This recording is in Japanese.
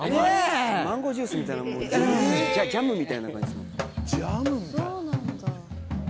マンゴージュースみたいなジャムみたいな感じです。